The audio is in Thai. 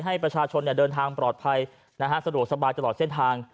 ให้ประชาชนเดินทางปลอดภัยสะดวกสบายตลอดเส้นทาง